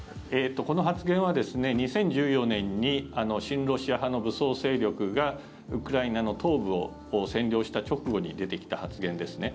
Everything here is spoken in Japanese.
この発言は２０１４年に親ロシア派の武装勢力がウクライナの東部を占領した直後に出てきた発言ですね。